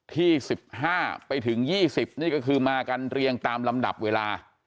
ที่๑๕ไปถึง๒๐นี่ก็คือมากันเรียงตามลำดับเวลา